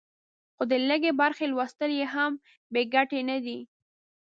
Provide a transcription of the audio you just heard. خو د لږې برخې لوستل یې هم بې ګټې نه دي.